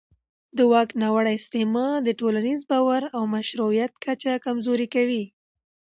د واک ناوړه استعمال د ټولنیز باور او مشروعیت کچه کمزوري کوي